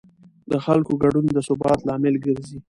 د خلکو ګډون د ثبات لامل ګرځي